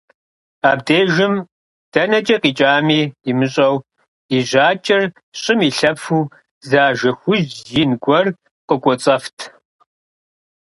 Абдежым дэнэкӀэ къикӀами имыщӀэу и жьакӀэр щӀым илъэфу зы ажэ хужь ин гуэр къыкъуоцӀэфт.